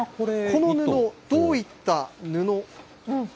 この布、どういった布。